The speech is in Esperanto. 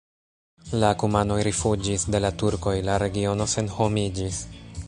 La kumanoj rifuĝis de la turkoj, la regiono senhomiĝis.